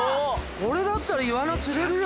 これだったらイワナ釣れるよ。